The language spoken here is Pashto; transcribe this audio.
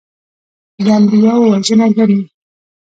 د انبیاوو ورثه ګڼي.